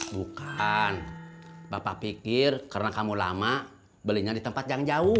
bukan bapak pikir karena kamu lama belinya di tempat yang jauh